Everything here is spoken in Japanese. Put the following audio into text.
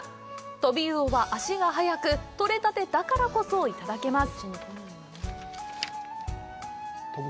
トビウオは足が早く取れたてだからこそいただけます。